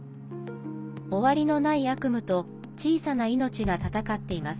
終わりのない悪夢と小さな命が闘っています。